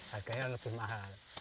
harganya lebih mahal